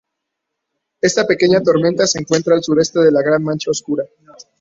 Esta pequeña tormenta se encuentra al sureste de la gran mancha oscura.